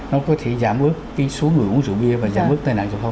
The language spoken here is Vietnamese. nó có thể giảm mức cái số người uống rượu bia và giảm mức tài nạn